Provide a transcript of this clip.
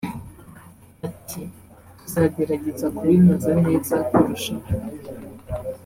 Ati “Tuzagerageza kubinoza neza kurushaho